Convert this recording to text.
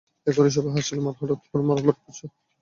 এখুনি সবাই হাসছিলাম আর হঠাৎ তোমরা মারামারি করছ।